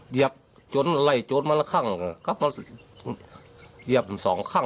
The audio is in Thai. ยืดหน้าต่อหน้าอาจจะตายไปข้างครับ